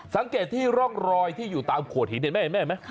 สังเกตที่ร่องรอยที่อยู่ตามขวดหินเห็นไหม